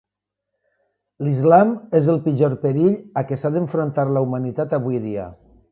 L'Islam és el pitjor perill a què s'ha d'enfrontar la humanitat avui dia.